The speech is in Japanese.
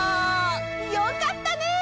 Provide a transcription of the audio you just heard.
よかったね！